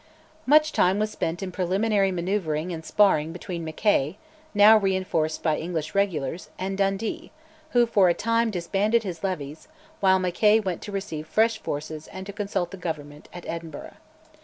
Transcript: Much time was spent in preliminary manoeuvring and sparring between Mackay, now reinforced by English regulars, and Dundee, who for a time disbanded his levies, while Mackay went to receive fresh forces and to consult the Government at Edinburgh.